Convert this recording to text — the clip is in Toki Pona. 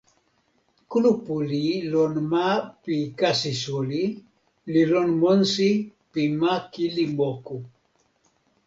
kulupu li lon ma pi kasi suli, li lon monsi pi ma kili moku.